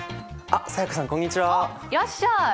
あっいらっしゃい。